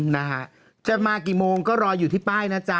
นะฮะจะมากี่โมงก็รออยู่ที่ป้ายนะจ๊ะ